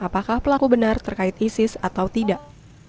apakah pelaku benar terkait isis atau tidak